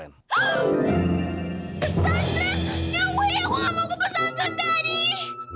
pesantren ya weh aku nggak mau ke pesantren daddy